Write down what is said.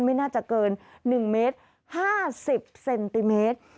ไม่น่าจะเกิน๑เมตร๕๐เซนติเมตร